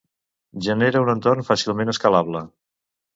Genera un entorn fàcilment escalable.